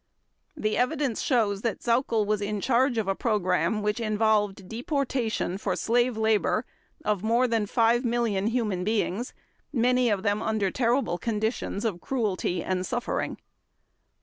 The evidence shows that Sauckel was in charge of a program which involved deportation for slave labor of more than 5,000,000 human beings, many of them under terrible conditions of cruelty and suffering.